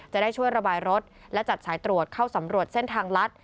จะได้ช่วยระบายรถและจัดสายตรวจเข้าสำรวจเส้นทางลัด